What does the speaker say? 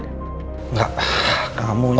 enggak kamu ini